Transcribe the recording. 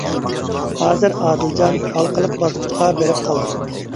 ھازىر ئادىلجان ھالقىلىق باسقۇچقا بېرىپ قالدى.